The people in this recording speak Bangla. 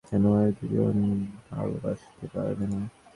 কেন শুধু একজনকেই ভালোবাসবে, কেন মানুষ দুজন ভালবাসতে পারবে না?